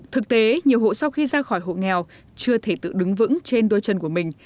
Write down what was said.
thực tế nhiều hộ sau khi ra khỏi hộ nghèo chưa thể tự đứng vững trên đôi chân của mình